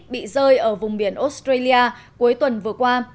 bị rơi ở vùng biển australia cuối tuần vừa qua